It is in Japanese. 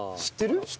知ってる？